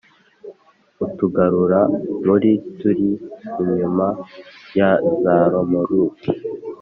Utugarurarumuri turi inyuma ya za romoruki